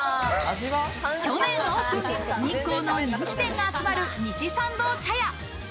去年オープン、日光の人気店が集まる西参道茶屋。